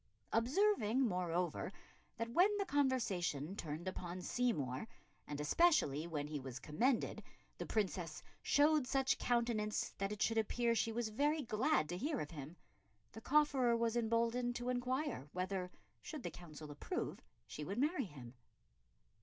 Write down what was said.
Observing, moreover, that when the conversation turned upon Seymour, and especially when he was commended, the Princess "showed such countenance that it should appear she was very glad to hear of him," the cofferer was emboldened to inquire whether, should the Council approve, she would marry him.